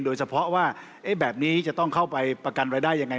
โดยเฉพาะว่าแบบนี้จะต้องเข้าไปประกันรายได้ยังไง